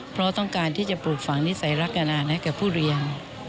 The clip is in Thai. เพราะต้องการที่จะปลูกฝังนิสัยรักนานให้กับผู้เรียน